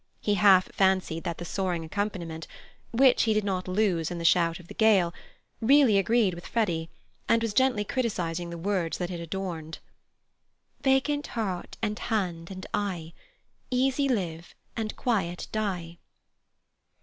He half fancied that the soaring accompaniment—which he did not lose in the shout of the gale—really agreed with Freddy, and was gently criticizing the words that it adorned: "Vacant heart and hand and eye Easy live and quiet die."